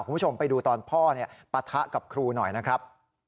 คุณผู้ชมไปดูตอนพ่อปะทะกับครูหน่อยนะครับ